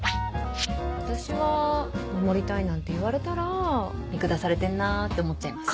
私は「守りたい」なんて言われたら見下されてんなって思っちゃいます。